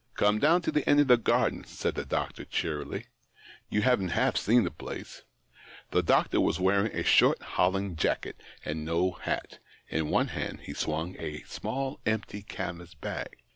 " Come down to the end of the garden," said the doctor, cheerily. " You haven't half seen the place yet." The doctor was wearing a short holland jacket and no hat ; in one hand he swung a small empty canvas bag.